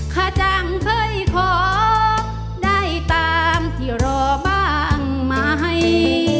ข้าจังเคยขอได้ตามที่รอบ้างไหม